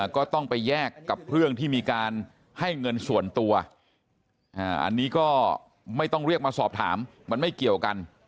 ก็ต้องไปแยกกับเรื่องที่มีการให้เงินส่วนตัวอันนี้ก็ไม่ต้องเรียกมาสอบถามมันไม่เกี่ยวกัน